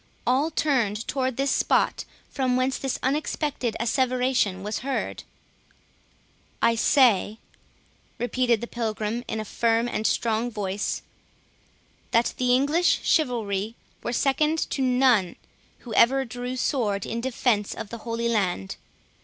All turned toward the spot from whence this unexpected asseveration was heard. "I say," repeated the Pilgrim in a firm and strong voice, "that the English chivalry were second to NONE who ever drew sword in defence of the Holy Land.